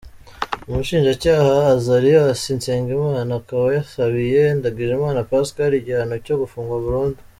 Umushinjacyaha Azarias Nsengimana akaba yasabiye Ndagijimana Pascal igihano cyo gufungwa burundu.